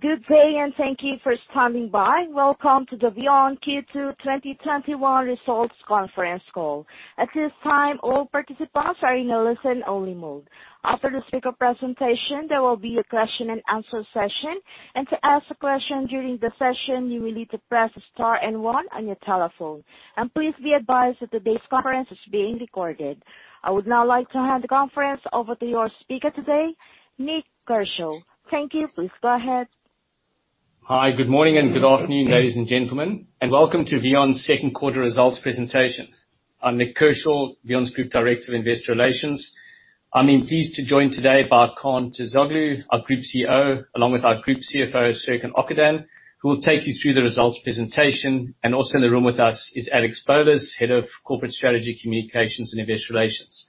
Good day, thank you for standing by. Welcome to the VEON Q2 2021 Results Conference Call. At this time, all participants are in a listen-only mode. After the speaker presentation, there will be a question and answer session. And to ask a question during the session you will need to press star and one on your telephone. Please be advised that today's conference is being recorded. I would now like to hand the conference over to your speaker today, Nik Kershaw. Thank you. Please go ahead. Hi. Good morning and good afternoon, ladies and gentlemen, and welcome to VEON second quarter results presentation. I'm Nik Kershaw, VEON's Group Director of Investor Relations. I'm pleased to join today by Kaan Terzioğlu, our Group CEO, along with our Group CFO, Serkan Okandan, who will take you through the results presentation. Also in the room with us is Alex Bolis, Head of Corporate Strategy, Communications and Investor Relations.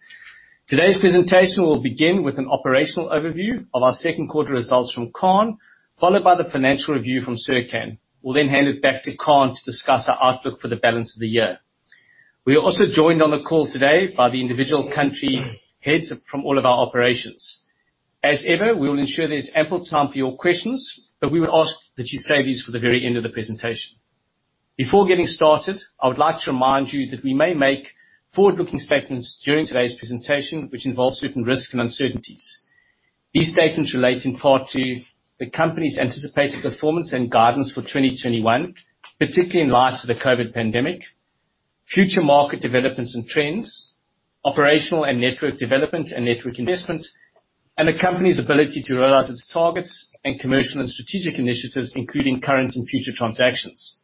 Today's presentation will begin with an operational overview of our second quarter results from Kaan, followed by the financial review from Serkan. We'll hand it back to Kaan to discuss our outlook for the balance of the year. We are also joined on the call today by the individual country heads from all of our operations. As ever, we will ensure there's ample time for your questions, but we would ask that you save these for the very end of the presentation. Before getting started, I would like to remind you that we may make forward-looking statements during today's presentation, which involve certain risks and uncertainties. These statements relate in part to the company's anticipated performance and guidance for 2021, particularly in light of the COVID pandemic, future market developments and trends, operational and network development and network investments, and the company's ability to realize its targets and commercial and strategic initiatives, including current and future transactions.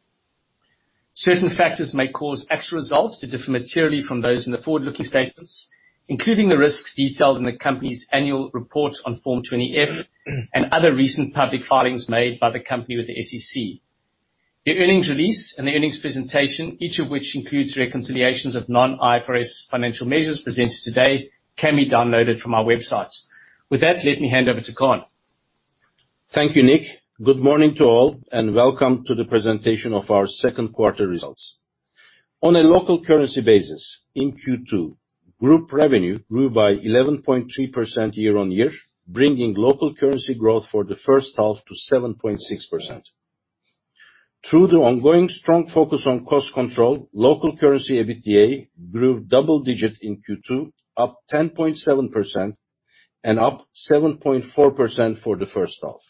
Certain factors may cause actual results to differ materially from those in the forward-looking statements, including the risks detailed in the company's annual report on Form 20-F and other recent public filings made by the company with the SEC. The earnings release and the earnings presentation, each of which includes reconciliations of non-IFRS financial measures presented today, can be downloaded from our websites. With that, let me hand over to Kaan. Thank you, Nik. Good morning to all. Welcome to the presentation of our second quarter results. On a local currency basis, in Q2, group revenue grew by 11.3% year-on-year, bringing local currency growth for the first half to 7.6%. Through the ongoing strong focus on cost control, local currency EBITDA grew double-digit in Q2, up 10.7% and up 7.4% for the first half.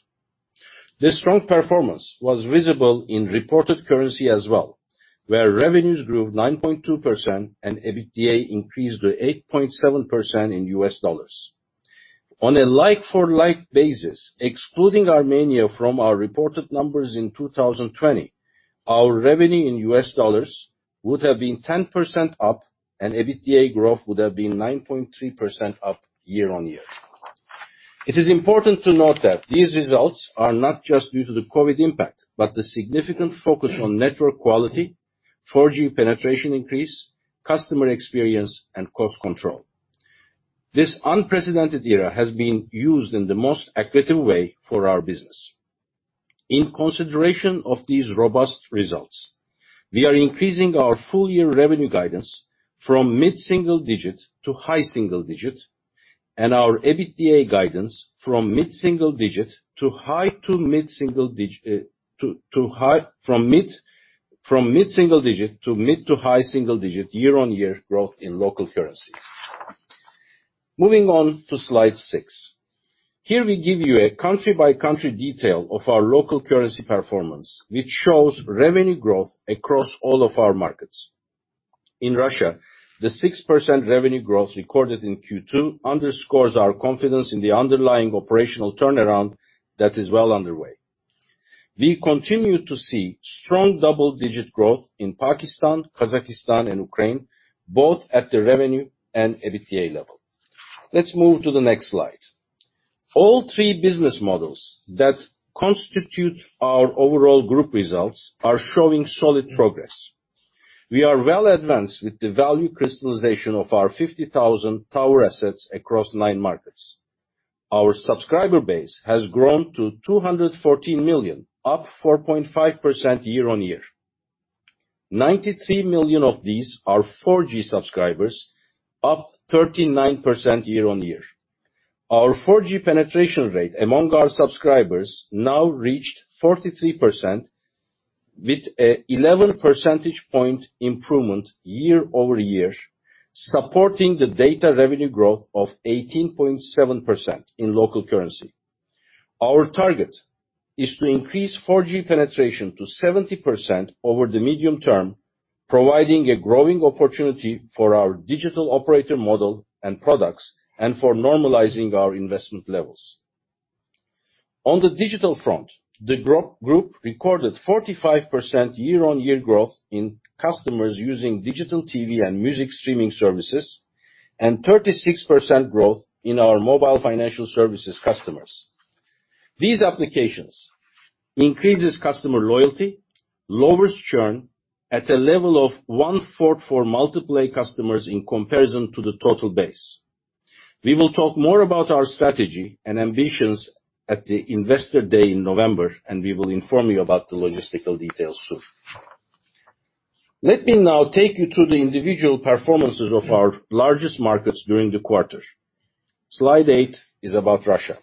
This strong performance was visible in reported currency as well, where revenues grew 9.2% and EBITDA increased to 8.7% in US dollars. On a like-for-like basis, excluding Armenia from our reported numbers in 2020, our revenue in US dollars would have been 10% up, and EBITDA growth would have been 9.3% up year-on-year. It is important to note that these results are not just due to the COVID impact, but the significant focus on network quality, 4G penetration increase, customer experience, and cost control. This unprecedented era has been used in the most accretive way for our business. In consideration of these robust results, we are increasing our full year revenue guidance from mid-single-digit to high-single-digit, and our EBITDA guidance from mid-single-digit to mid-to-high-single-digit year-over-year growth in local currency. Moving on to slide six. Here we give you a country-by-country detail of our local currency performance, which shows revenue growth across all of our markets. In Russia, the 6% revenue growth recorded in Q2 underscores our confidence in the underlying operational turnaround that is well underway. We continue to see strong double-digit growth in Pakistan, Kazakhstan, and Ukraine, both at the revenue and EBITDA level. Let's move to the next slide. All three business models that constitute our overall group results are showing solid progress. We are well advanced with the value crystallization of our 50,000 tower assets across nine markets. Our subscriber base has grown to 214 million, up 4.5% year-on-year. 93 million of these are 4G subscribers, up 39% year-on-year. Our 4G penetration rate among our subscribers now reached 43% with an 11 percentage point improvement year-over-year, supporting the data revenue growth of 18.7% in local currency. Our target is to increase 4G penetration to 70% over the medium term, providing a growing opportunity for our digital operator model and products, and for normalizing our investment levels. On the digital front, the group recorded 45% year-on-year growth in customers using digital TV and music streaming services, and 36% growth in our mobile financial services customers. These applications increases customer loyalty, lowers churn at a level of one-fourth for multi-play customers in comparison to the total base. We will talk more about our strategy and ambitions at the investor day in November, and we will inform you about the logistical details soon. Let me now take you through the individual performances of our largest markets during the quarter. Slide eight is about Russia.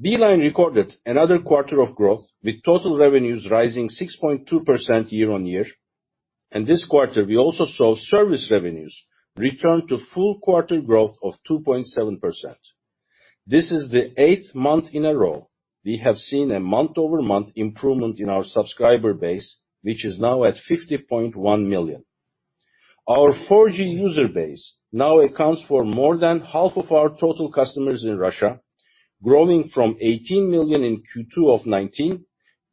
Beeline recorded another quarter of growth, with total revenues rising 6.2% year-on-year. In this quarter, we also saw service revenues return to full quarter growth of 2.7%. This is the eighth month in a row we have seen a month-over-month improvement in our subscriber base, which is now at 50.1 million. Our 4G user base now accounts for more than half of our total customers in Russia, growing from 18 million in Q2 of 2019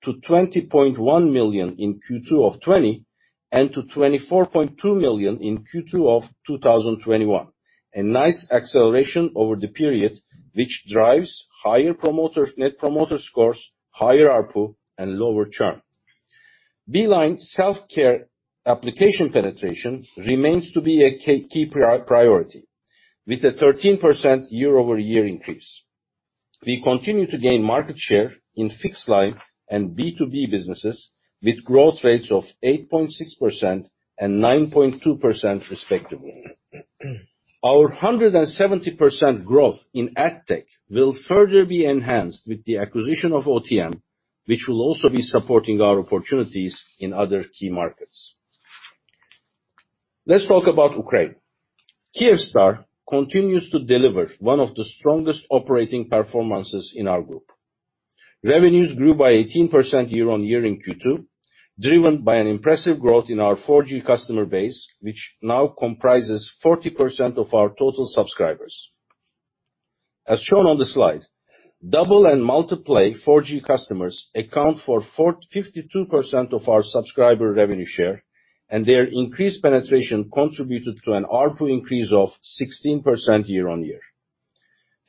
to 20.1 million in Q2 of 2020, and to 24.2 million in Q2 of 2021. A nice acceleration over the period, which drives higher Net Promoter Scores, higher ARPU, and lower churn. Beeline self-care application penetration remains to be a key priority, with a 13% year-over-year increase. We continue to gain market share in fixed line and B2B businesses, with growth rates of 8.6% and 9.2% respectively. Our 170% growth in AdTech will further be enhanced with the acquisition of OTM, which will also be supporting our opportunities in other key markets. Let's talk about Ukraine. Kyivstar continues to deliver one of the strongest operating performances in our group. Revenues grew by 18% year-on-year in Q2, driven by an impressive growth in our 4G customer base, which now comprises 40% of our total subscribers. As shown on the slide, double and multi-play 4G customers account for 52% of our subscriber revenue share, and their increased penetration contributed to an ARPU increase of 16% year-on-year.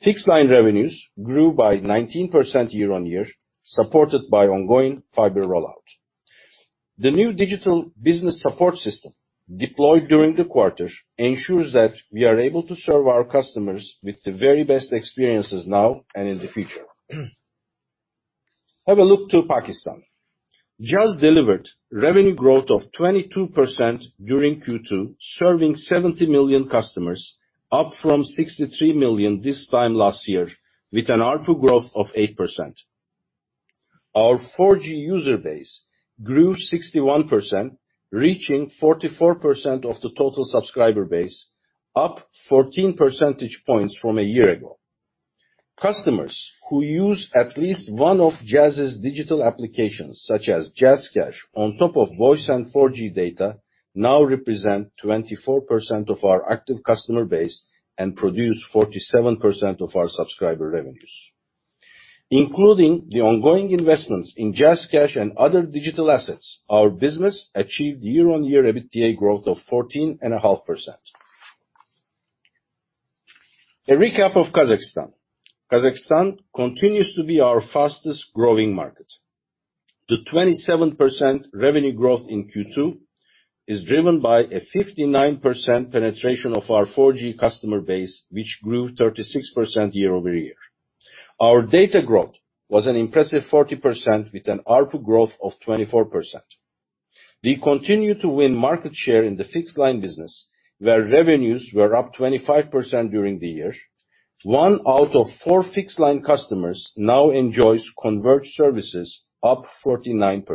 Fixed line revenues grew by 19% year-on-year, supported by ongoing fiber rollout. The new digital business support system deployed during the quarter ensures that we are able to serve our customers with the very best experiences now and in the future. Have a look to Pakistan. Jazz delivered revenue growth of 22% during Q2, serving 70 million customers, up from 63 million this time last year, with an ARPU growth of 8%. Our 4G user base grew 61%, reaching 44% of the total subscriber base, up 14 percentage points from a year ago. Customers who use at least one of Jazz's digital applications, such as JazzCash on top of voice and 4G data, now represent 24% of our active customer base and produce 47% of our subscriber revenues. Including the ongoing investments in JazzCash and other digital assets, our business achieved year-on-year EBITDA growth of 14.5%. A recap of Kazakhstan. Kazakhstan continues to be our fastest growing market. The 27% revenue growth in Q2 is driven by a 59% penetration of our 4G customer base, which grew 36% year-over-year. Our data growth was an impressive 40% with an ARPU growth of 24%. We continue to win market share in the fixed line business, where revenues were up 25% during the year. One out of four fixed line customers now enjoys converged services up 49%.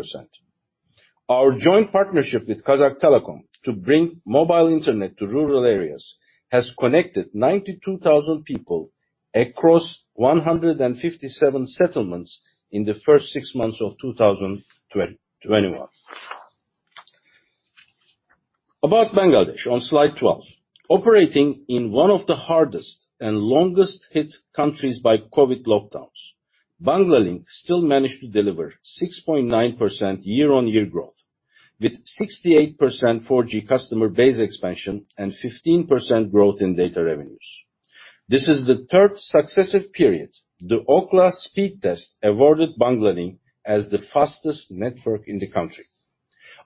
Our joint partnership with Kazakhtelecom to bring mobile internet to rural areas has connected 92,000 people across 157 settlements in the first six months of 2021. About Bangladesh on slide 12. Operating in one of the hardest and longest hit countries by COVID lockdowns, Banglalink still managed to deliver 6.9% year-on-year growth with 68% 4G customer base expansion and 15% growth in data revenues. This is the third successive period the Ookla Speedtest awarded Banglalink as the fastest network in the country.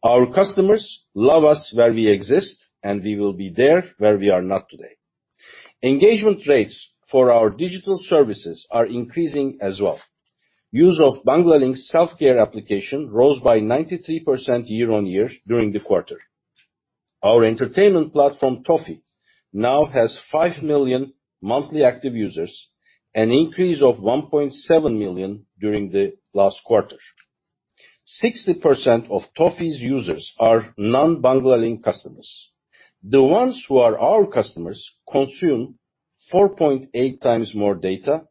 Our customers love us where we exist, and we will be there where we are not today. Engagement rates for our digital services are increasing as well. Use of Banglalink self-care application rose by 93% year-on-year during the quarter. Our entertainment platform, Toffee, now has 5 million monthly active users, an increase of 1.7 million during the last quarter. 60% of Toffee's users are non-Banglalink customers. The ones who are our customers consume 4.8 times more data,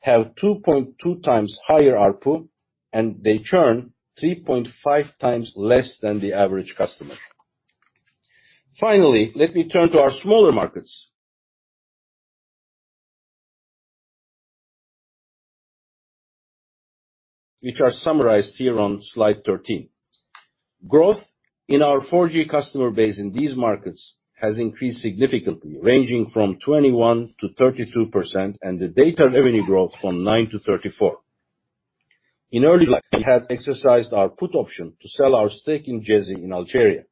have 2.2 times higher ARPU, and they churn 3.5 times less than the average customer. Finally, let me turn to our smaller markets, which are summarized here on slide 13. Growth in our 4G customer base in these markets has increased significantly, ranging from 21%-32%, and the data revenue growth from 9%-34%. In early July, we had exercised our put option to sell our stake in Djezzy in Algeria.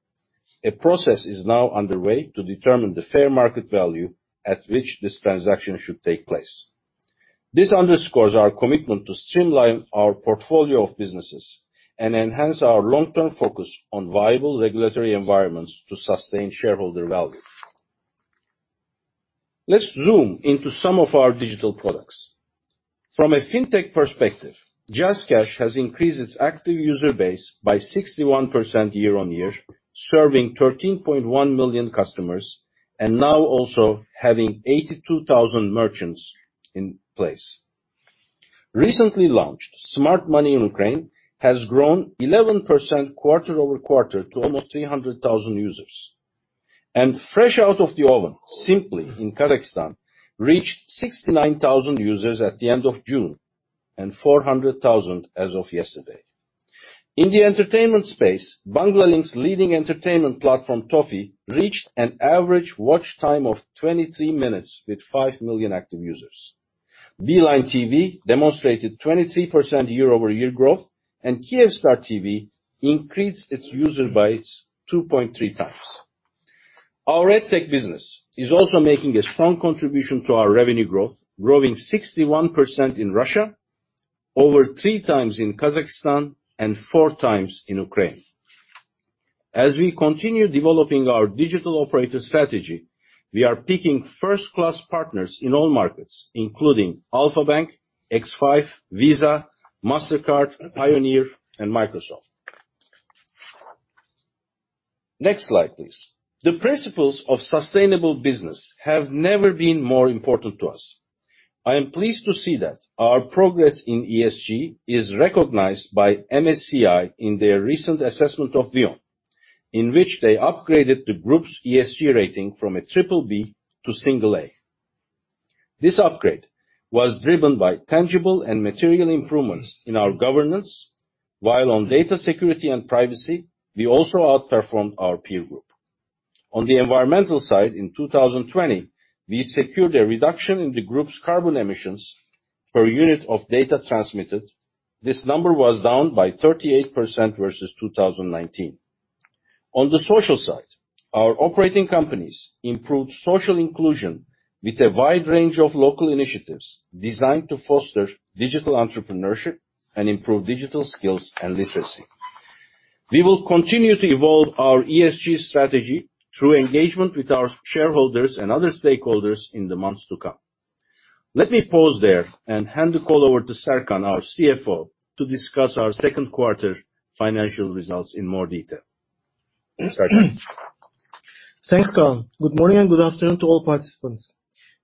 A process is now underway to determine the fair market value at which this transaction should take place. This underscores our commitment to streamline our portfolio of businesses and enhance our long-term focus on viable regulatory environments to sustain shareholder value. Let's zoom into some of our digital products. From a fintech perspective, JazzCash has increased its active user base by 61% year-on-year, serving 13.1 million customers, and now also having 82,000 merchants in place. Recently launched Smart Money in Ukraine has grown 11% quarter-over-quarter to almost 300,000 users. Fresh out of the oven, Simply in Kazakhstan, reached 69,000 users at the end of June and 400,000 as of yesterday. In the entertainment space, Banglalink's leading entertainment platform, Toffee, reached an average watch time of 23 minutes with five million active users. Beeline TV demonstrated 23% year-over-year growth, and Kyivstar TV increased its user base 2.3 times. Our EdTech business is also making a strong contribution to our revenue growth, growing 61% in Russia, over three times in Kazakhstan, and four times in Ukraine. As we continue developing our digital operator strategy, we are picking first-class partners in all markets, including Alfa-Bank, X5, Visa, Mastercard, Payoneer, and Microsoft. Next slide, please. The principles of sustainable business have never been more important to us. I am pleased to see that our progress in ESG is recognized by MSCI in their recent assessment of VEON, in which they upgraded the group's ESG rating from a triple B to single A. This upgrade was driven by tangible and material improvements in our governance, while on data security and privacy, we also outperformed our peer group. On the environmental side, in 2020, we secured a reduction in the group's carbon emissions per unit of data transmitted. This number was down by 38% versus 2019. On the social side, our operating companies improved social inclusion with a wide range of local initiatives designed to foster digital entrepreneurship and improve digital skills and literacy. We will continue to evolve our ESG strategy through engagement with our shareholders and other stakeholders in the months to come. Let me pause there and hand the call over to Serkan, our CFO, to discuss our second quarter financial results in more detail. Serkan? Thanks, Kaan. Good morning and good afternoon to all participants.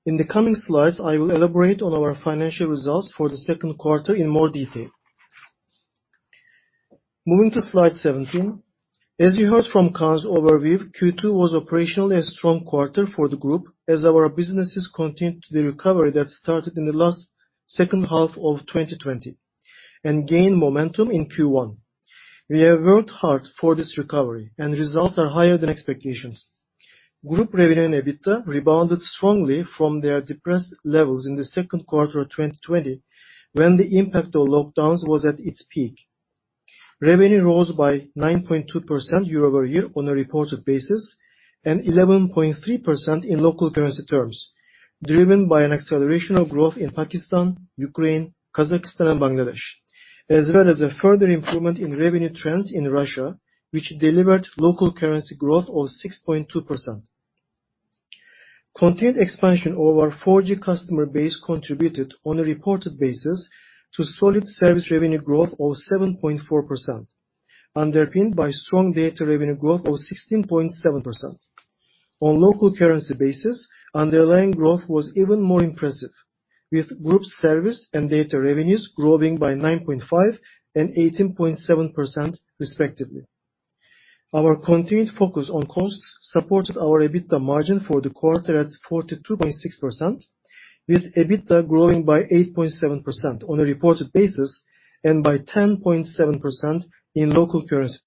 In the coming slides, I will elaborate on our financial results for the second quarter in more detail. Moving to slide 17. As you heard from Kaan's overview, Q2 was operationally a strong quarter for the group as our businesses continued the recovery that started in the last second half of 2020 and gained momentum in Q1. We have worked hard for this recovery, and results are higher than expectations. Group revenue and EBITDA rebounded strongly from their depressed levels in the second quarter of 2020 when the impact of lockdowns was at its peak. Revenue rose by 9.2% year-over-year on a reported basis, and 11.3% in local currency terms, driven by an acceleration of growth in Pakistan, Ukraine, Kazakhstan, and Bangladesh, as well as a further improvement in revenue trends in Russia, which delivered local currency growth of 6.2%. Continued expansion of our 4G customer base contributed on a reported basis to solid service revenue growth of 7.4%, underpinned by strong data revenue growth of 16.7%. On local currency basis, underlying growth was even more impressive, with group service and data revenues growing by 9.5% and 18.7% respectively. Our continued focus on costs supported our EBITDA margin for the quarter at 42.6%, with EBITDA growing by 8.7% on a reported basis and by 10.7% in local currency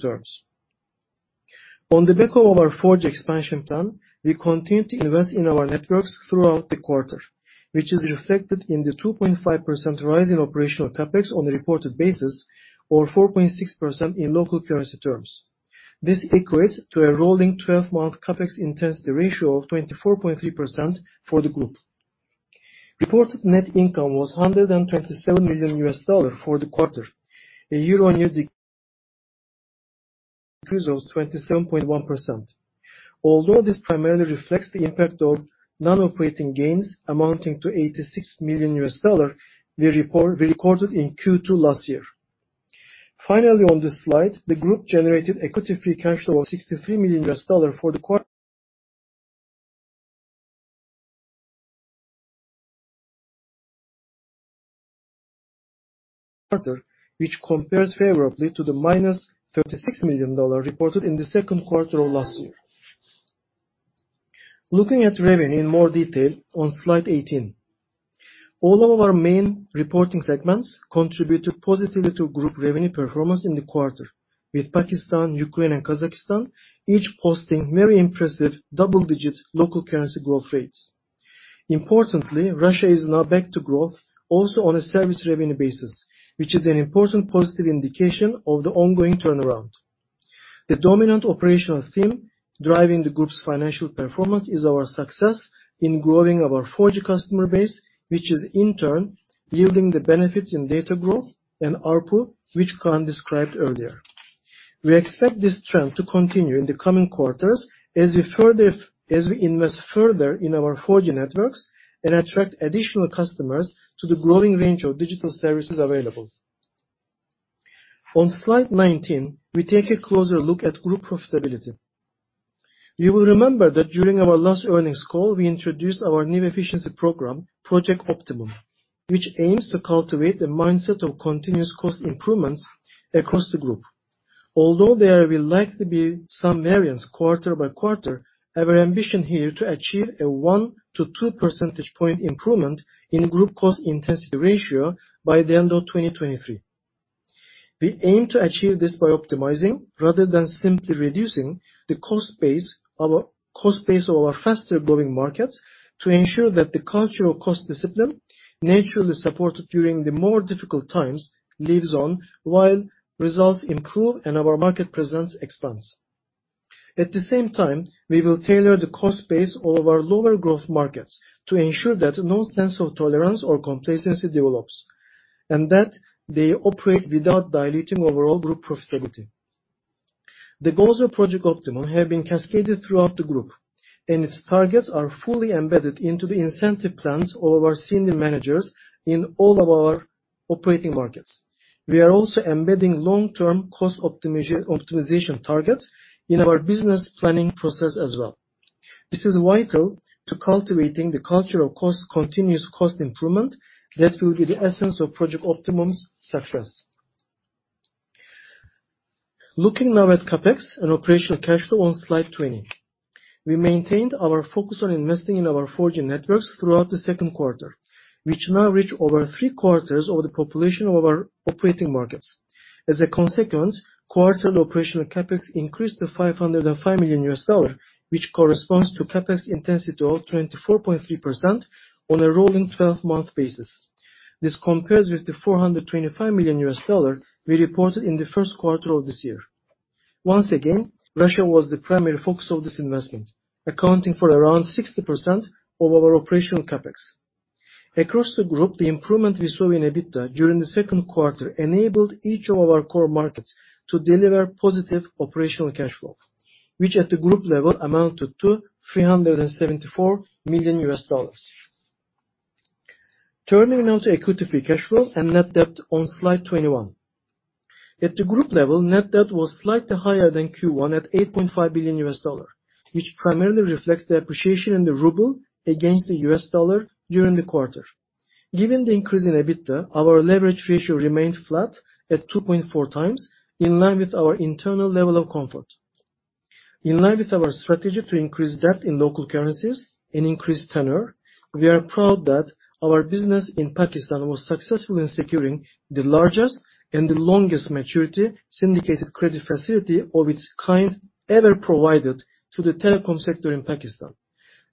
terms. On the back of our 4G expansion plan, we continued to invest in our networks throughout the quarter, which is reflected in the 2.5% rise in operational CapEx on a reported basis, or 4.6% in local currency terms. This equates to a rolling 12-month CapEx intensity ratio of 24.3% for the group. Reported net income was $127 million for the quarter, a year-on-year decrease of 27.1%. Although this primarily reflects the impact of non-operating gains amounting to $86 million we recorded in Q2 last year. Finally, on this slide, the group generated equity free cash flow of $63 million for the quarter, which compares favorably to the -$36 million reported in the second quarter of last year. Looking at revenue in more detail on slide 18. All of our main reporting segments contributed positively to group revenue performance in the quarter, with Pakistan, Ukraine, and Kazakhstan each posting very impressive double-digit local currency growth rates. Importantly, Russia is now back to growth also on a service revenue basis, which is an important positive indication of the ongoing turnaround. The dominant operational theme driving the group's financial performance is our success in growing our 4G customer base, which is in turn yielding the benefits in data growth and ARPU, which Kaan described earlier. We expect this trend to continue in the coming quarters as we invest further in our 4G networks and attract additional customers to the growing range of digital services available. On slide 19, we take a closer look at group profitability. You will remember that during our last earnings call, we introduced our new efficiency program, Project Optimum, which aims to cultivate a mindset of continuous cost improvements across the group. Although there will likely be some variance quarter by quarter, our ambition here to achieve a 1-2 percentage point improvement in group cost intensity ratio by the end of 2023. We aim to achieve this by optimizing rather than simply reducing the cost base of our faster-growing markets to ensure that the cultural cost discipline, naturally supported during the more difficult times, lives on while results improve and our market presence expands. At the same time, we will tailor the cost base of our lower growth markets to ensure that no sense of tolerance or complacency develops, and that they operate without diluting overall group profitability. The goals of Project Optimum have been cascaded throughout the group, and its targets are fully embedded into the incentive plans of our senior managers in all of our operating markets. We are also embedding long-term cost optimization targets in our business planning process as well. This is vital to cultivating the culture of continuous cost improvement that will be the essence of Project Optimum's success. Looking now at CapEx and operational cash flow on slide 20. We maintained our focus on investing in our 4G networks throughout the second quarter, which now reach over three quarters of the population of our operating markets. As a consequence, quarterly operational CapEx increased to $505 million, which corresponds to CapEx intensity of 24.3% on a rolling 12-month basis. This compares with the $425 million we reported in the first quarter of this year. Once again, Russia was the primary focus of this investment, accounting for around 60% of our operational CapEx. Across the group, the improvement we saw in EBITDA during the second quarter enabled each of our core markets to deliver positive operational cash flow, which at the group level amounted to $374 million. Turning now to equity free cash flow and net debt on slide 21. At the group level, net debt was slightly higher than Q1 at $8.5 billion, which primarily reflects the appreciation in the ruble against the US dollar during the quarter. Given the increase in EBITDA, our leverage ratio remained flat at 2.4x, in line with our internal level of comfort. In line with our strategy to increase debt in local currencies and increase tenure, we are proud that our business in Pakistan was successful in securing the largest and the longest maturity syndicated credit facility of its kind ever provided to the telecom sector in Pakistan,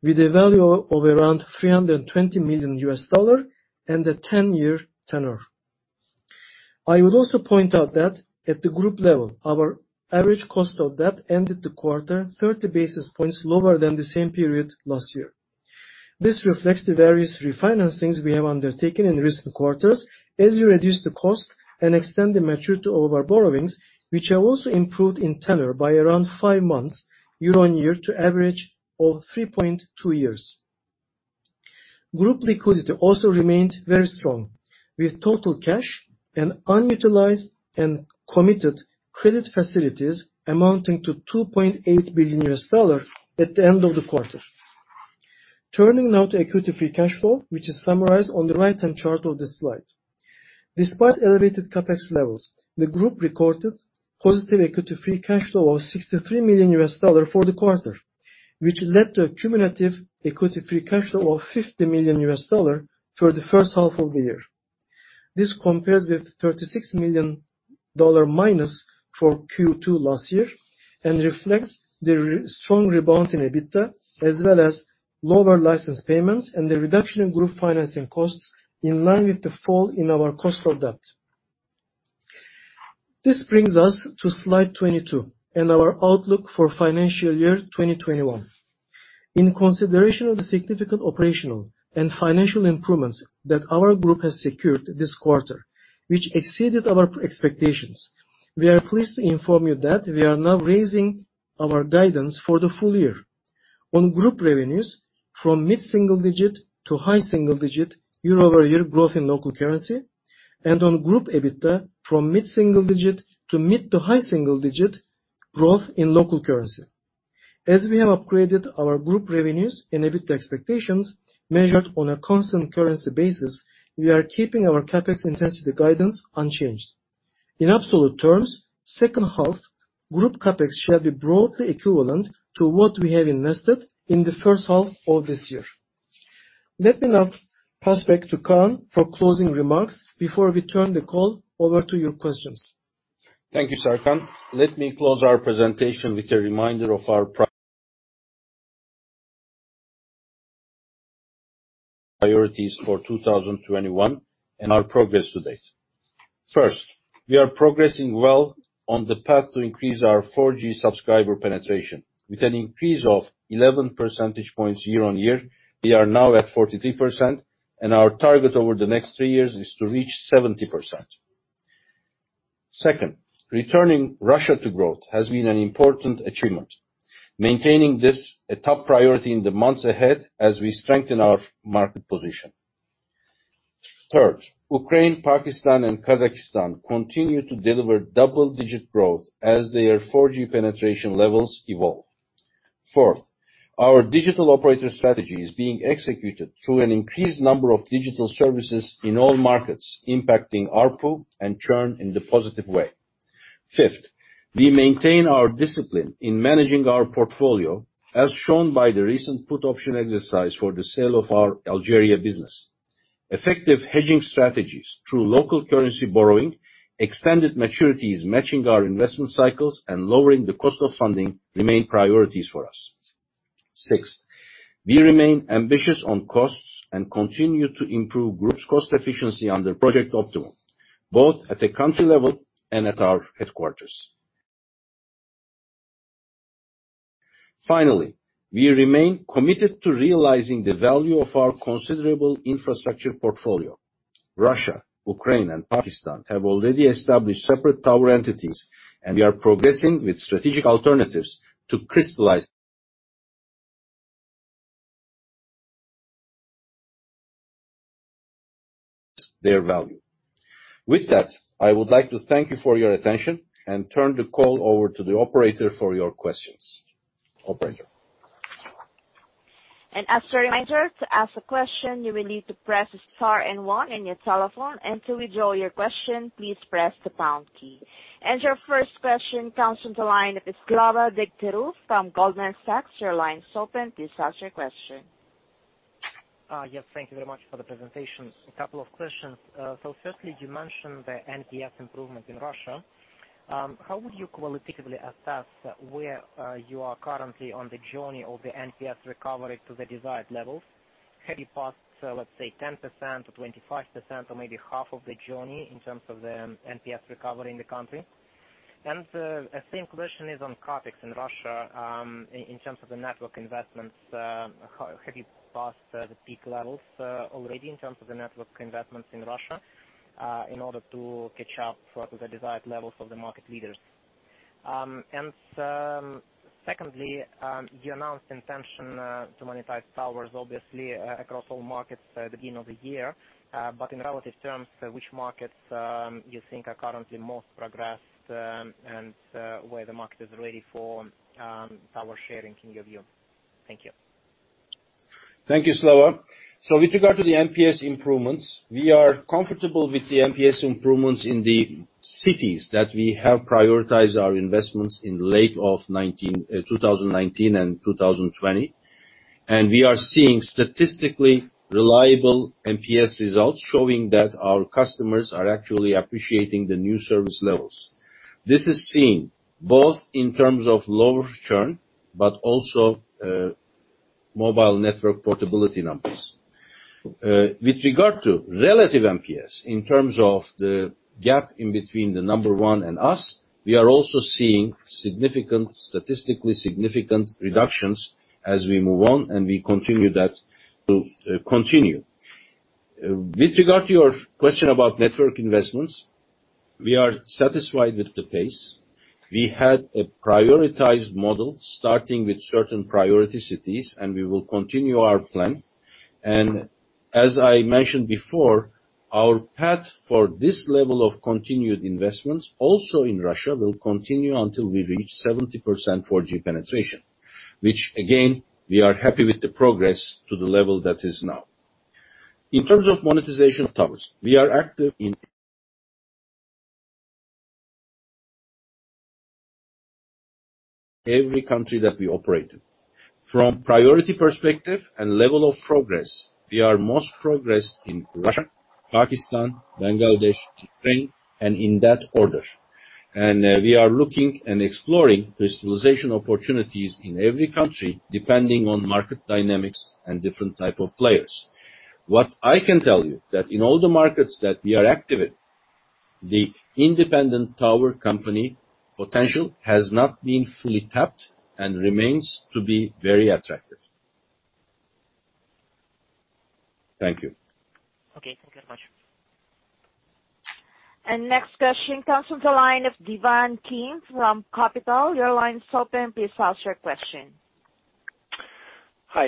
with a value of around $320 million and a 10-year tenure. I would also point out that at the group level, our average cost of debt ended the quarter 30 basis points lower than the same period last year. This reflects the various refinancings we have undertaken in recent quarters as we reduce the cost and extend the maturity of our borrowings, which have also improved in tenure by around five months year-on-year to average of 3.2 years. Group liquidity also remained very strong, with total cash and unutilized and committed credit facilities amounting to $2.8 billion at the end of the quarter. Turning now to equity free cash flow, which is summarized on the right-hand chart of this slide. Despite elevated CapEx levels, the group recorded positive equity free cash flow of $63 million for the quarter, which led to a cumulative equity free cash flow of $50 million for the first half of the year. This compares with $36 minus for Q2 last year and reflects the strong rebound in EBITDA, as well as lower license payments and the reduction in group financing costs in line with the fall in our cost of debt. This brings us to slide 22 and our outlook for financial year 2021. In consideration of the significant operational and financial improvements that our group has secured this quarter, which exceeded our expectations, we are pleased to inform you that we are now raising our guidance for the full year. On group revenues from mid-single digit to high single digit year-over-year growth in local currency, and on group EBITDA from mid-single digit to mid to high single digit growth in local currency. As we have upgraded our group revenues and EBITDA expectations measured on a constant currency basis, we are keeping our CapEx intensity guidance unchanged. In absolute terms, second half group CapEx shall be broadly equivalent to what we have invested in the first half of this year. Let me now pass back to Kaan for closing remarks before we turn the call over to your questions. Thank you, Serkan. Let me close our presentation with a reminder of our Priorities for 2021 and our progress to date. First, we are progressing well on the path to increase our 4G subscriber penetration. With an increase of 11 percentage points year on year, we are now at 43%, and our target over the next three years is to reach 70%. Second, returning Russia to growth has been an important achievement. Maintaining this a top priority in the months ahead as we strengthen our market position. Third, Ukraine, Pakistan, and Kazakhstan continue to deliver double-digit growth as their 4G penetration levels evolve. Fourth, our digital operator strategy is being executed through an increased number of digital services in all markets, impacting ARPU and churn in the positive way. Fifth, we maintain our discipline in managing our portfolio, as shown by the recent put option exercise for the sale of our Algeria business. Effective hedging strategies through local currency borrowing, extended maturities matching our investment cycles, and lowering the cost of funding remain priorities for us. Sixth, we remain ambitious on costs and continue to improve group's cost efficiency under Project Optimum, both at a country level and at our headquarters. Finally, we remain committed to realizing the value of our considerable infrastructure portfolio. Russia, Ukraine, and Pakistan have already established separate tower entities, and we are progressing with strategic alternatives to crystallize their value. With that, I would like to thank you for your attention and turn the call over to the operator for your questions. Operator. As a reminder, to ask a question, you will need to press star and one on your telephone, to withdraw your question, please press the pound key. Your first question comes from the line of Vyacheslav Degtyarev from Goldman Sachs. Your line is open. Please ask your question. Yes, thank you very much for the presentation. Two questions. Firstly, you mentioned the NPS improvement in Russia. How would you qualitatively assess where you are currently on the journey of the NPS recovery to the desired levels? Have you passed, let's say, 10% or 25% or maybe half of the journey in terms of the NPS recovery in the country? The same question is on CapEx in Russia, in terms of the network investments. Have you passed the peak levels already in terms of the network investments in Russia, in order to catch up to the desired levels of the market leaders? Secondly, you announced intention to monetize towers, obviously, across all markets at the beginning of the year. In relative terms, which markets you think are currently most progressed, and where the market is ready for tower sharing in your view? Thank you. Thank you, Vyacheslav Degtyarev. With regard to the NPS improvements, we are comfortable with the NPS improvements in the cities that we have prioritized our investments in late of 2019 and 2020. We are seeing statistically reliable NPS results showing that our customers are actually appreciating the new service levels. This is seen both in terms of lower churn, but also mobile number portability numbers. With regard to relative NPS, in terms of the gap in between the number one and us, we are also seeing statistically significant reductions as we move on, and we continue that will continue. With regard to your question about network investments, we are satisfied with the pace. We had a prioritized model starting with certain priority cities, and we will continue our plan. As I mentioned before, our path for this level of continued investments also in Russia will continue until we reach 70% 4G penetration, which again, we are happy with the progress to the level that is now. In terms of monetization of towers, we are active in every country that we operate in. From priority perspective and level of progress, we are most progressed in Russia, Pakistan, Bangladesh, Ukraine, and in that order. We are looking and exploring crystallization opportunities in every country, depending on market dynamics and different type of players. What I can tell you, that in all the markets that we are active in, the independent tower company potential has not been fully tapped and remains to be very attractive. Thank you. Okay, thank you very much. Next question comes from the line of Ivan Kim from Xtellus Capital. Hi.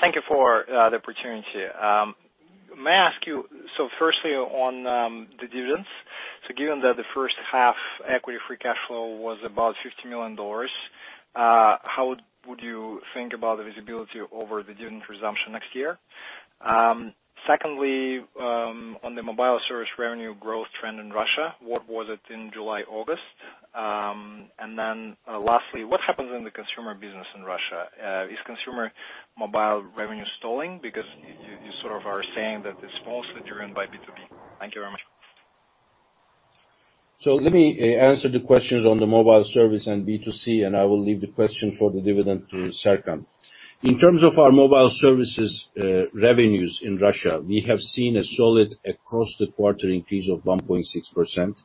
Thank you for the opportunity. May I ask you, firstly on the dividends. Given that the first half equity free cash flow was about $50 million, how would you think about the visibility over the dividend resumption next year? Secondly, on the mobile service revenue growth trend in Russia, what was it in July, August? Lastly, what happens in the consumer business in Russia? Is consumer mobile revenue stalling? You sort of are saying that it's mostly driven by B2B. Thank you very much. Let me answer the questions on the mobile service and B2C, and I will leave the question for the dividend to Serkan. In terms of our mobile services revenues in Russia, we have seen a solid across the quarter increase of 1.6%.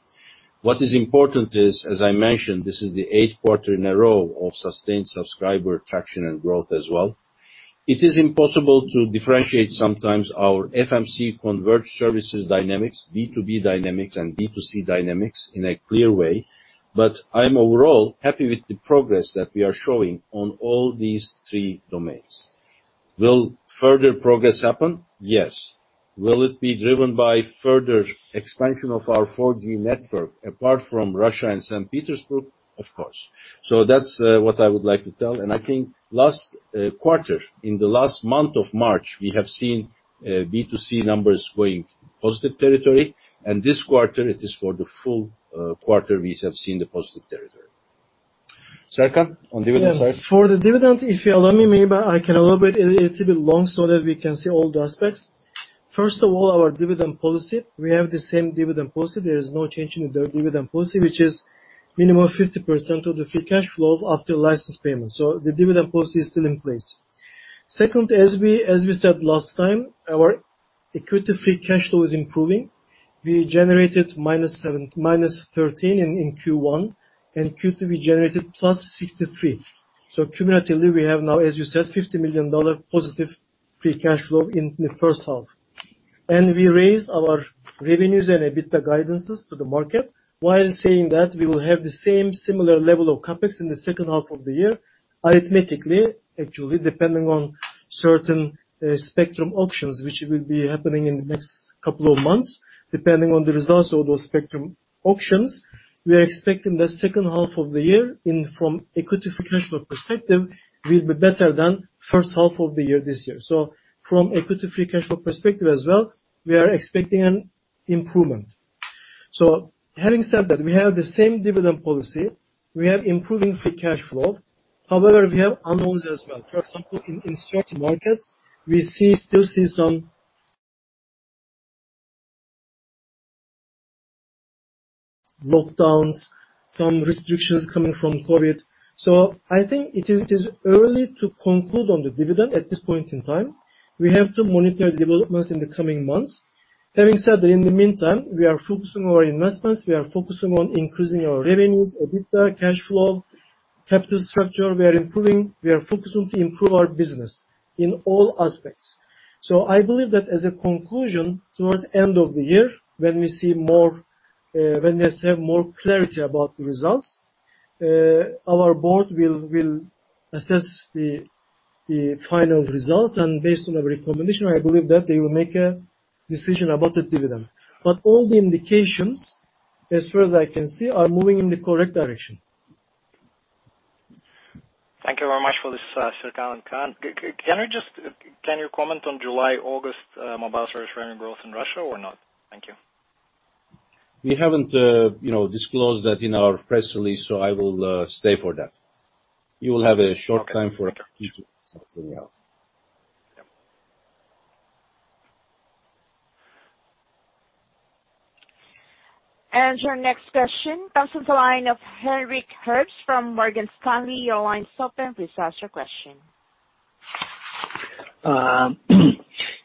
What is important is, as I mentioned, this is the eighth quarter in a row of sustained subscriber traction and growth as well. It is impossible to differentiate sometimes our FMC converged services dynamics, B2B dynamics, and B2C dynamics in a clear way. I'm overall happy with the progress that we are showing on all these three domains. Will further progress happen? Yes. Will it be driven by further expansion of our 4G network, apart from Russia and Saint Petersburg? Of course. That's what I would like to tell. I think last quarter, in the last month of March, we have seen B2C numbers going positive territory. This quarter, it is for the full quarter we have seen the positive territory. Serkan, on dividend side? Yes. For the dividend, if you allow me, maybe I can elaborate it a little bit long so that we can see all the aspects. First of all, our dividend policy, we have the same dividend policy. There is no change in the dividend policy, which is minimum 50% of the free cash flow after license payment. The dividend policy is still in place. Second, as we said last time, our equity free cash flow is improving. We generated -13 in Q1, and Q2 we generated +63. Cumulatively, we have now, as you said, $50 million positive free cash flow in the 1st half. We raised our revenues and EBITDA guidances to the market while saying that we will have the same similar level of CapEx in the second half of the year. Arithmetically, actually, depending on certain spectrum auctions, which will be happening in the next couple of months. Depending on the results of those spectrum auctions, we are expecting the second half of the year from equity free cash flow perspective, will be better than first half of the year this year. From equity free cash flow perspective as well, we are expecting an improvement. However, we have the same dividend policy, we have improving free cash flow. However, we have unknowns as well. For example, in certain markets, we still see some lockdowns, some restrictions coming from COVID. I think it is early to conclude on the dividend at this point in time. We have to monitor developments in the coming months. Having said that, in the meantime, we are focusing on our investments, we are focusing on increasing our revenues, EBITDA, cash flow, capital structure. We are focusing to improve our business in all aspects. I believe that as a conclusion, towards end of the year, when we have more clarity about the results, our board will assess the final results, and based on every recommendation, I believe that they will make a decision about the dividend. All the indications, as far as I can see, are moving in the correct direction. Thank you very much for this, Serkan and Kaan. Can you comment on July, August mobile service revenue growth in Russia or not? Thank you. We haven't disclosed that in our press release, so I will stay for that. You will have a short time for Q2. Something else. Yeah. Your next question comes from the line of Henrik Herbst from Morgan Stanley. Your line's open. Please ask your question.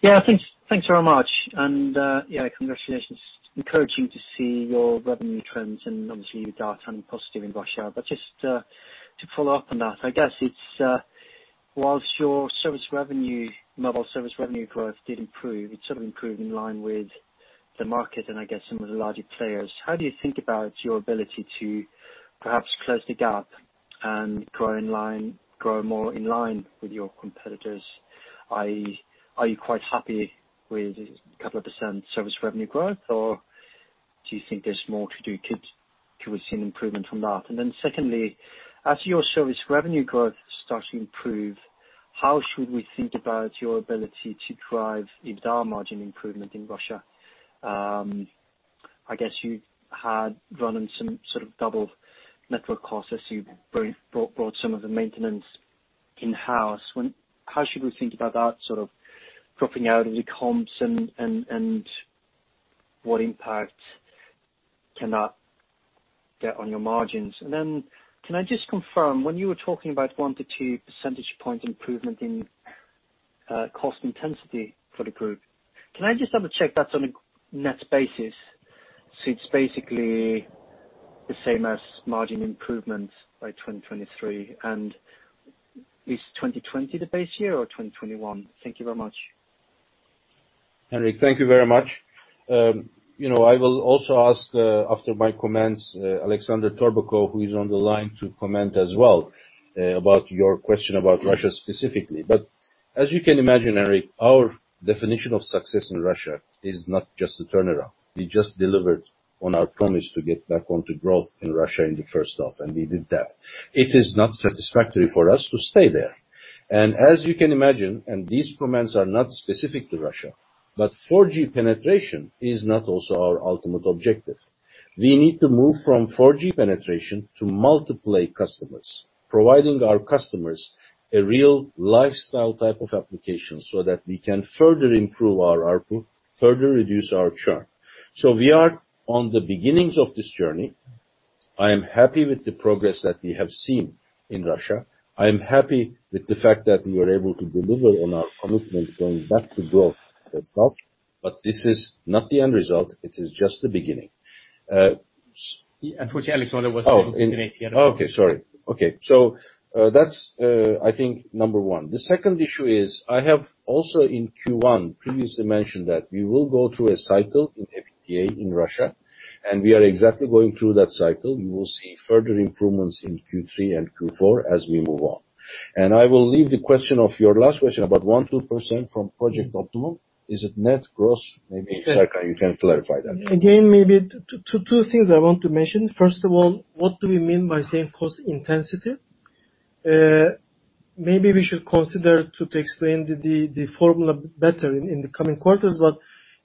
Yeah, thanks very much. Yeah, congratulations. Encouraging to see your revenue trends and obviously your data positive in Russia. Just to follow up on that, I guess it's whilst your service revenue, mobile service revenue growth did improve, it sort of improved in line with the market and I guess some of the larger players. How do you think about your ability to perhaps close the gap and grow more in line with your competitors? Are you quite happy with a couple of % service revenue growth, or do you think there's more to do to receive improvement from that? Secondly, as your service revenue growth starts to improve, how should we think about your ability to drive EBITDA margin improvement in Russia? I guess you had run in some sort of double network costs as you brought some of the maintenance in-house. How should we think about that sort of dropping out of the comps, and what impact can that get on your margins? Can I just confirm, when you were talking about 1-2 percentage point improvement in cost intensity for the group, can I just double-check that's on a net basis, so it's basically the same as margin improvements by 2023? Is 2020 the base year or 2021? Thank you very much. Henrik, thank you very much. I will also ask, after my comments, Alexander Torbakhov, who is on the line, to comment as well about your question about Russia specifically. As you can imagine, Henrik, our definition of success in Russia is not just a turnaround. We just delivered on our promise to get back onto growth in Russia in the first half, and we did that. It is not satisfactory for us to stay there. As you can imagine, and these comments are not specific to Russia, but 4G penetration is not also our ultimate objective. We need to move from 4G penetration to multiple customers, providing our customers a real lifestyle type of application so that we can further improve our ARPU, further reduce our churn. We are on the beginnings of this journey. I am happy with the progress that we have seen in Russia. I am happy with the fact that we were able to deliver on our commitment going back to growth itself. This is not the end result. It is just the beginning. Unfortunately, Alexander was unable to connect here. Okay. Sorry. Okay. That's I think number one. The second issue is I have also in Q1 previously mentioned that we will go through a cycle in EBITDA in Russia, and we are exactly going through that cycle. We will see further improvements in Q3 and Q4 as we move on. I will leave the question of your last question about 1%, 2% from Project Optimum. Is it net gross? Maybe Serkan you can clarify that. Maybe two things I want to mention. First of all, what do we mean by saying cost intensity? Maybe we should consider to explain the formula better in the coming quarters.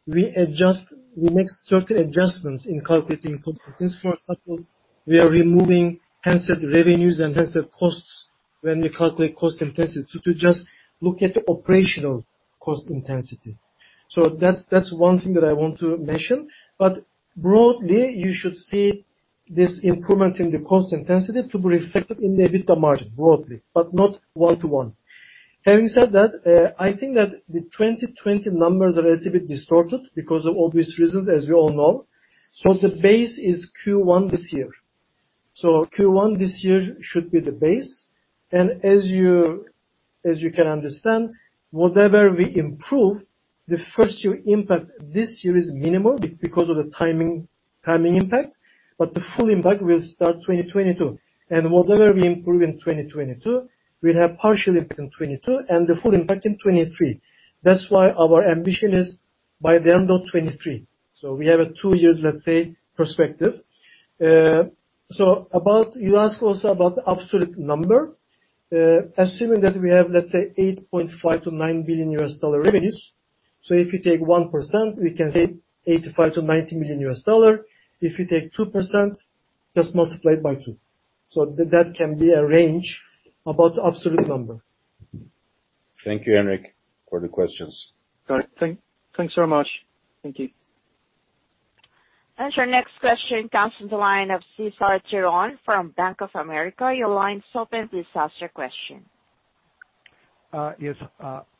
We make certain adjustments in calculating cost intensity. For example, we are removing handset revenues and handset costs when we calculate cost intensity to just look at the operational cost intensity. That's one thing that I want to mention. Broadly, you should see this improvement in the cost intensity to be reflected in the EBITDA margin broadly, but not 1:1. Having said that, I think that the 2020 numbers are a little bit distorted because of obvious reasons, as we all know. The base is Q1 this year. Q1 this year should be the base, and as you can understand, whatever we improve, the first year impact this year is minimal because of the timing impact. The full impact will start 2022, and whatever we improve in 2022, we'll have partial impact in 2022 and the full impact in 2023. Our ambition is by the end of 2023. We have a two years, let's say, perspective. You ask also about the absolute number. Assuming that we have, let's say, $8.5 billion-$9 billion revenues. If you take 1%, we can say $85 million-$90 million. If you take 2%, just multiply it by two. That can be a range about the absolute number. Thank you, Henrik, for the questions. Got it. Thanks very much. Thank you. Your next question comes from the line of Cesar Tiron from Bank of America. Your line's open. Please ask your question. Yes.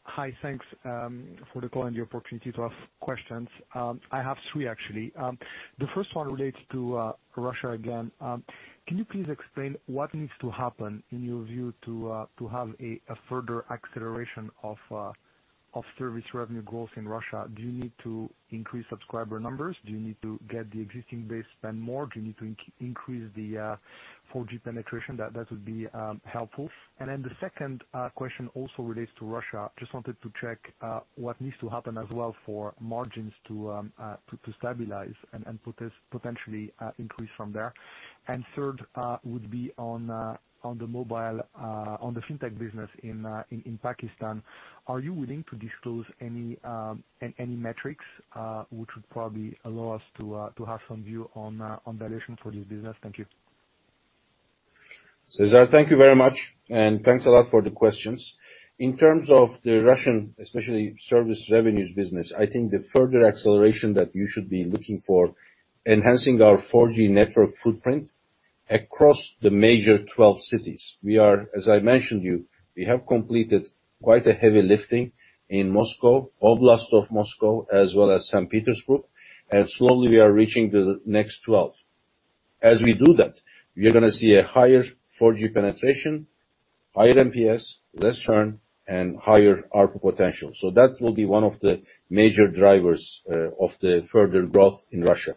Hi. Thanks for the call and the opportunity to ask questions. I have three actually. The first one relates to Russia again. Can you please explain what needs to happen in your view to have a further acceleration of service revenue growth in Russia? Do you need to increase subscriber numbers? Do you need to get the existing base spend more? Do you need to increase the 4G penetration? That would be helpful. The second question also relates to Russia. Just wanted to check what needs to happen as well for margins to stabilize and potentially increase from there. Third would be on the fintech business in Pakistan. Are you willing to disclose any metrics which would probably allow us to have some view on valuation for this business? Thank you. Cesar, thank you very much, and thanks a lot for the questions. In terms of the Russian, especially service revenues business, I think the further acceleration that you should be looking for, enhancing our 4G network footprint across the major 12 cities. We are, as I mentioned you, we have completed quite a heavy lifting in Moscow, Oblast of Moscow, as well as St. Petersburg, and slowly we are reaching the next 12. As we do that, we are going to see a higher 4G penetration, higher NPS, less churn, and higher ARPU potential. That will be one of the major drivers of the further growth in Russia.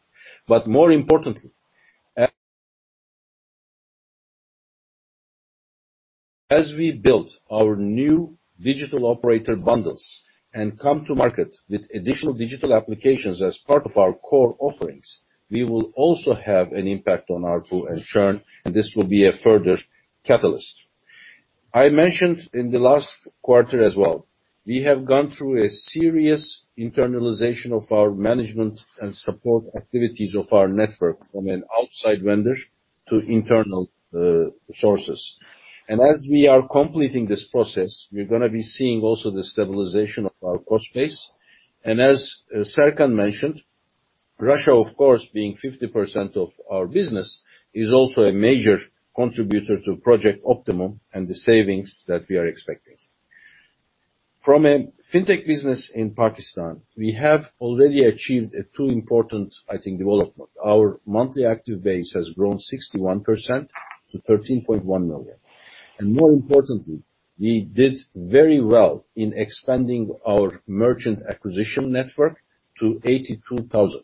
As we build our new digital operator bundles and come to market with additional digital applications as part of our core offerings, we will also have an impact on ARPU and churn, and this will be a further catalyst. I mentioned in the last quarter as well, we have gone through a serious internalization of our management and support activities of our network from an outside vendor to internal sources. As we are completing this process, we're going to be seeing also the stabilization of our cost base. As Serkan mentioned, Russia, of course, being 50% of our business, is also a major contributor to Project Optimum and the savings that we are expecting. From a fintech business in Pakistan, we have already achieved a two important, I think, development. Our monthly active base has grown 61% to 13.1 million. More importantly, we did very well in expanding our merchant acquisition network to 82,000.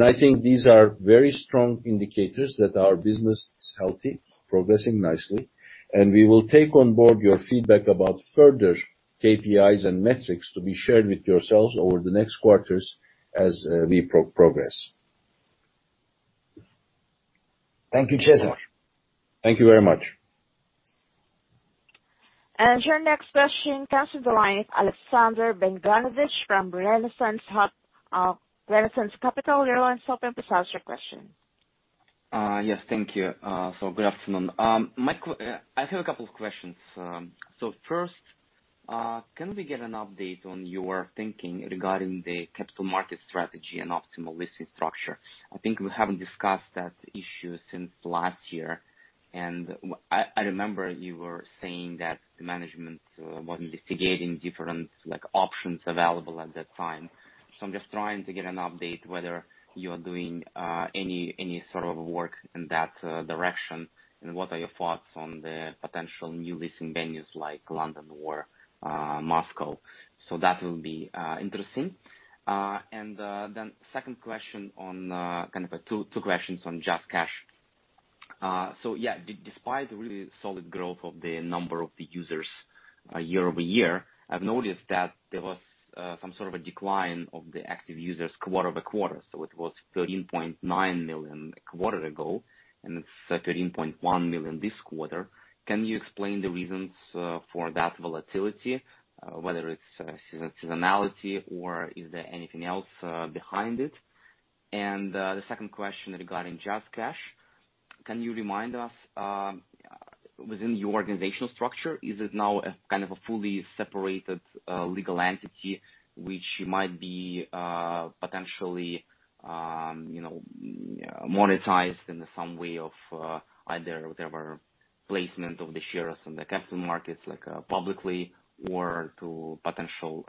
I think these are very strong indicators that our business is healthy, progressing nicely, and we will take on board your feedback about further KPIs and metrics to be shared with yourselves over the next quarters as we progress. Thank you, Cesar. Thank you very much. Your next question comes to the line of Alexander Vengranovich from Renaissance Capital. Your line's open. Please ask your question. Yes. Thank you. Good afternoon. I have a couple questions. First, can we get an update on your thinking regarding the capital market strategy and optimal listing structure? I think we haven't discussed that issue since last year, and I remember you were saying that the management was investigating different options available at that time. I'm just trying to get an update whether you are doing any sort of work in that direction, and what are your thoughts on the potential new listing venues like London or Moscow. That will be interesting. Then second question, kind of two questions on JazzCash. Yeah, despite the really solid growth of the number of the users year-over-year, I've noticed that there was some sort of a decline of the active users quarter-over-quarter. It was $13.9 million a quarter ago, and it's $13.1 million this quarter. Can you explain the reasons for that volatility, whether it's seasonality or is there anything else behind it? The second question regarding JazzCash, can you remind us within your organizational structure, is it now a kind of a fully separated legal entity which might be potentially monetized in some way of either whatever placement of the shares in the capital markets, like publicly or to potential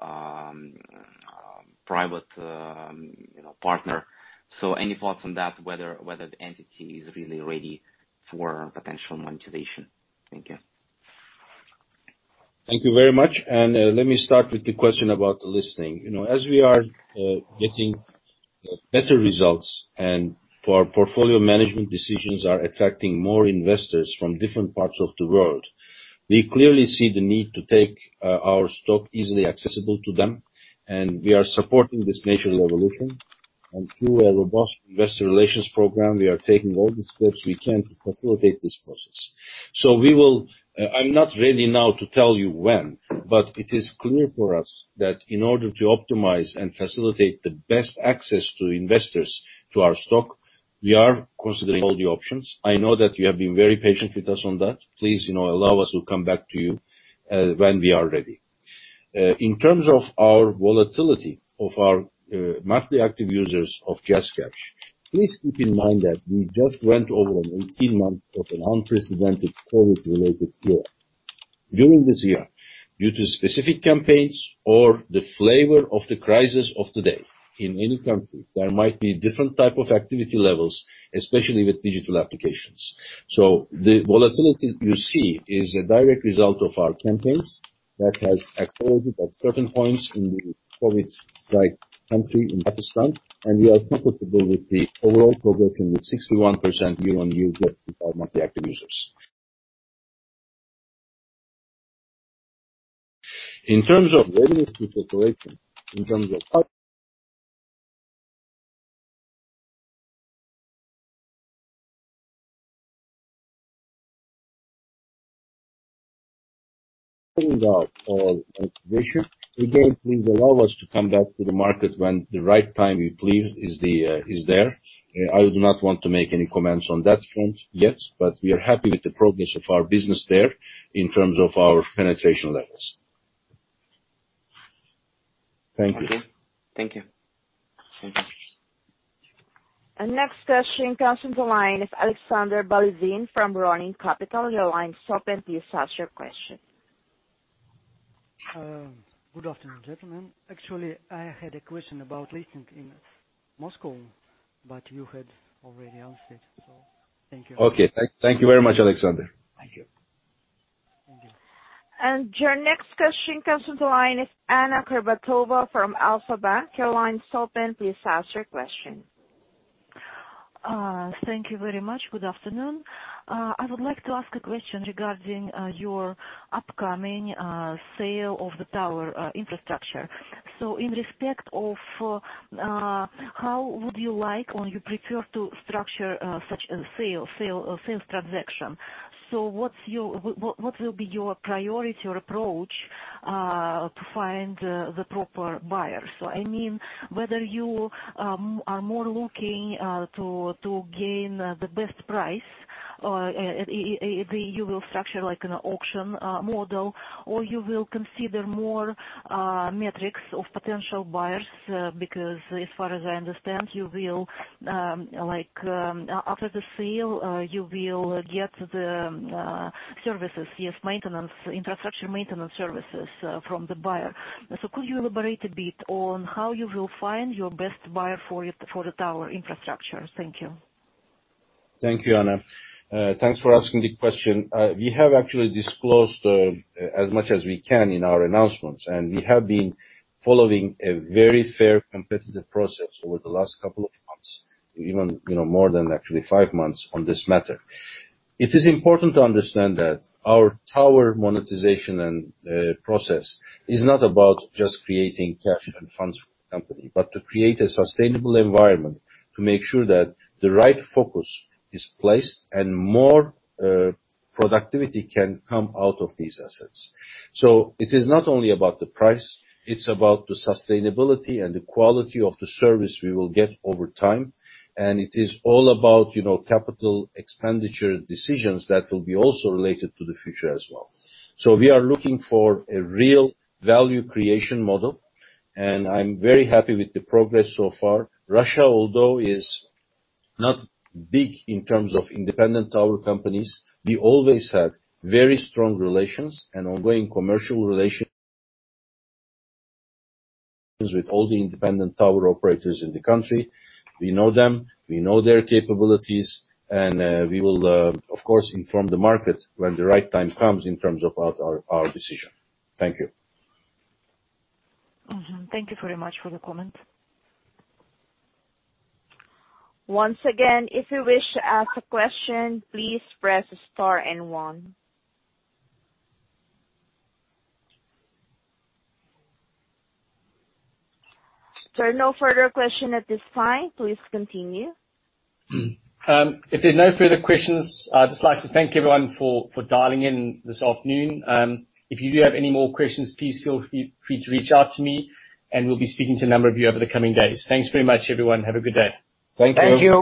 private partner? Any thoughts on that, whether the entity is really ready for potential monetization? Thank you. Thank you very much. Let me start with the question about the listing. As we are getting better results and for our portfolio management decisions are attracting more investors from different parts of the world, we clearly see the need to take our stock easily accessible to them, and we are supporting this natural evolution. Through a robust investor relations program, we are taking all the steps we can to facilitate this process. I'm not ready now to tell you when, but it is clear for us that in order to optimize and facilitate the best access to investors to our stock, we are considering all the options. I know that you have been very patient with us on that. Please allow us to come back to you when we are ready. In terms of our volatility of our monthly active users of JazzCash, please keep in mind that we just went over an 18-month of an unprecedented COVID-related year. During this year, due to specific campaigns or the flavor of the crisis of today in any country, there might be different type of activity levels, especially with digital applications. The volatility you see is a direct result of our campaigns that has accelerated at certain points in the COVID-struck country in Pakistan, and we are comfortable with the overall progression with 61% year-on-year growth in our monthly active users. In terms of readiness to circulation, in terms of our activation. Please allow us to come back to the market when the right time, we believe, is there. I do not want to make any comments on that front yet, but we are happy with the progress of our business there in terms of our penetration levels. Thank you. Okay. Thank you. Next question comes on the line is Alexander. [inaudible] Your line is open. Please ask your question. Good afternoon, gentlemen. Actually, I had a question about listing in Moscow, but you had already answered, so thank you very much. Okay. Thank you very much, Alexander. Thank you. Your next question comes on the line is Anna Kurbatova from Alfa-Bank. Your line is open. Please ask your question. Thank you very much. Good afternoon. I would like to ask a question regarding your upcoming sale of the tower infrastructure. In respect of how would you like or you prefer to structure such a sales transaction. What will be your priority or approach to find the proper buyer? I mean, whether you are more looking to gain the best price, if you will structure like an auction model or you will consider more metrics of potential buyers, because as far as I understand, after the sale, you will get the services, yes, maintenance, infrastructure maintenance services from the buyer. Could you elaborate a bit on how you will find your best buyer for the tower infrastructure? Thank you. Thank you, Anna. Thanks for asking the question. We have actually disclosed as much as we can in our announcements, and we have been following a very fair competitive process over the last couple of months, even more than actually five months on this matter. It is important to understand that our tower monetization and process is not about just creating cash and funds for company, but to create a sustainable environment to make sure that the right focus is placed and more productivity can come out of these assets. It is not only about the price, it's about the sustainability and the quality of the service we will get over time, and it is all about capital expenditure decisions that will be also related to the future as well. We are looking for a real value creation model, and I'm very happy with the progress so far. Russia, although is not big in terms of independent tower companies, we always had very strong relations and ongoing commercial relations with all the independent tower operators in the country. We know them, we know their capabilities. We will, of course, inform the market when the right time comes in terms of our decision. Thank you. Thank you very much for the comment. Once again, if you wish to ask a question, please press star and one. There are no further question at this time. Please continue. If there are no further questions, I'd just like to thank everyone for dialing in this afternoon. If you do have any more questions, please feel free to reach out to me and we'll be speaking to a number of you over the coming days. Thanks very much, everyone. Have a good day. Thank you.